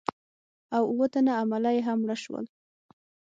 او اووه تنه عمله یې هم مړه شول.